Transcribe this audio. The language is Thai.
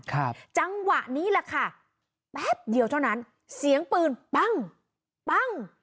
ครับจังหวะนี้แหละค่ะแป๊บเดียวเท่านั้นเสียงปืนปั้งปั้ง